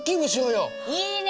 いいね！